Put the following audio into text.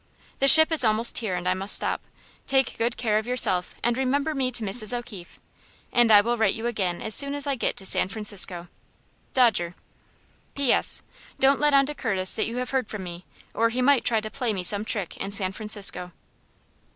"The ship is almost here, and I must stop. Take good care of yourself, and remember me to Mrs. O'Keefe, and I will write you again as soon as I get to San Francisco. "Dodger. "P. S. Don't let on to Curtis that you have heard from me, or he might try to play me some trick in San Francisco."